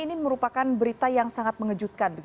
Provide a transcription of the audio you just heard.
ini merupakan berita yang sangat mengejutkan